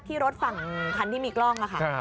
ที่รถฝั่งคันที่มีกล้องค่ะ